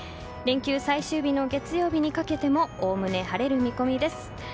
連休最終日の月曜日にかけてもおおむね晴れる見込みです。